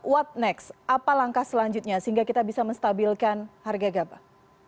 what next apa langkah selanjutnya sehingga kita bisa menstabilkan harga gabah